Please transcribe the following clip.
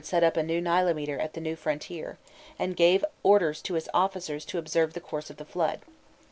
set up a new nilometer at the new frontier, and gave orders to his officers to observe the course of the flood.